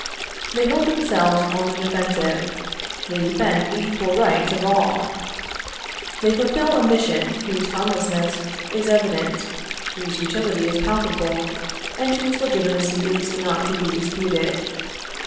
They hold themselves on the defensive; they defend the equal right of all. They fulfil a mission whose harmlessness is evident, whose utility is palpable, and whose legitimacy is not to be disputed.